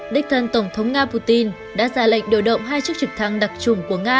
đích thân tổng thống nga putin đã ra lệnh điều động hai chiếc trực thăng đặc trùng của nga